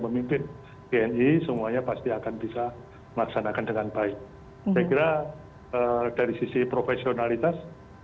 dipimpin tni semuanya pasti akan bisa memaksanakan dengan baik negara dari sisi profesionalitas